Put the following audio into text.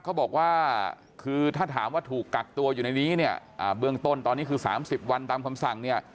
เขาบอกว่าคือถ้าถามว่าถูกกักตัวอยู่ในนี้เนี่ยเบื้องต้นตอนนี้คือ๓๐วันตามคำสั่งเนี่ย